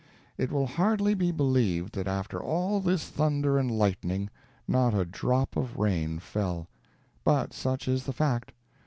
It will hardly be believed that after all this thunder and lightning not a drop of rain fell; but such is the fact.